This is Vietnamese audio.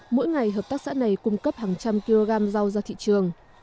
mỗi ngày hợp tác xã này cung cấp hàng trăm kg rau ra thị trường